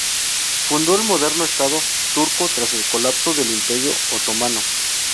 Fundó el moderno estado turco tras el colapso del imperio otomano.